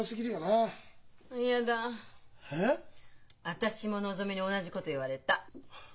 私ものぞみに同じこと言われた。